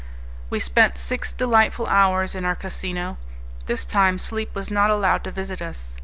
We spent six delightful hours in our casino; this time sleep was not allowed to visit us.